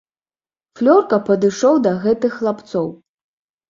Флёрка падышоў да гэтых хлапцоў.